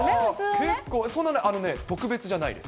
結構、特別じゃないです。